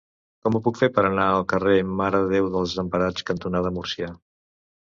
Com ho puc fer per anar al carrer Mare de Déu dels Desemparats cantonada Múrcia?